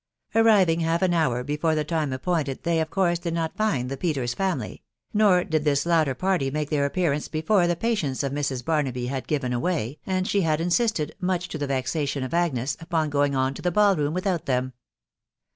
Arriving half an hour before the time appointed, they, of course, did not find the Peters family; nor did this latter party make their appearance before the patience of Mrs. Bar* naby had given way, and she had insisted, much to the . vexation of Agnes, upon going on to the ball room without them.